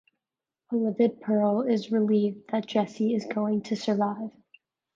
A livid Pearl is relieved that Jesse is going to survive.